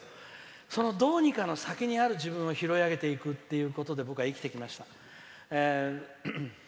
その、どうにかの先にある自分を拾い上げていくっていうことで僕は生きてきました。